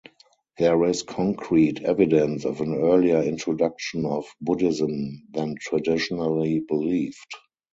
There is concrete evidence of an earlier introduction of Buddhism than traditionally believed.